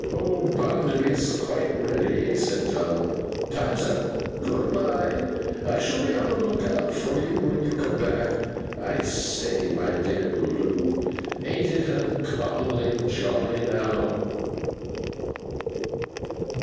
'Old Bounderby's quite ready,' said Tom. 'Time's up. Good bye! I shall be on the look out for you, when you come back. I say, my dear Loo! AN'T it uncommonly jolly now!